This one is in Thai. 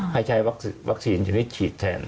ห้าใช้วัคซีนซึ่งให้ฉีดแทน